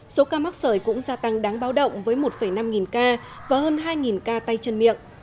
số ca mắc sởi cũng gia tăng đáng báo động với một năm nghìn ca và hơn hai ca tay chân miệng